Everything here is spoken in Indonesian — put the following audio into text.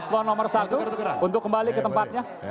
paslon nomor satu untuk kembali ke tempatnya